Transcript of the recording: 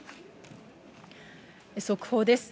速報です。